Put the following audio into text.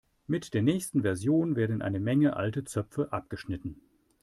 Mit der nächsten Version werden eine Menge alte Zöpfe abgeschnitten.